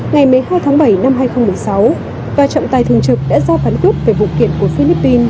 ngày một mươi hai tháng bảy năm hai nghìn một mươi sáu và trọng tài thường trực đã ra phán quyết về vụ kiện của philippines